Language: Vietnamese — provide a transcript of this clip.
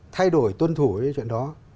thay đổi tuân thủ với chuyện đó